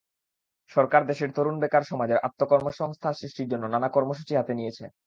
সরকার দেশের তরুণ বেকার সমাজের আত্মকর্মসংস্থান সৃষ্টির জন্য নানা কর্মসূচি হাতে নিয়েছে।